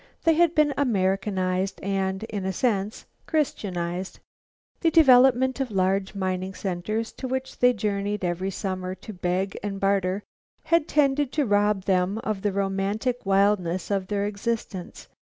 They had been Americanized and, in a sense, Christianized. The development of large mining centers to which they journeyed every summer to beg and barter had tended to rob them of the romantic wildness of their existence.